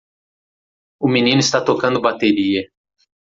O menino está tocando bateria.